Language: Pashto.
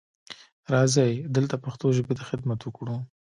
راځئ دلته پښتو ژبې ته خدمت وکړو.